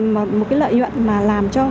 một cái lợi nhuận mà làm cho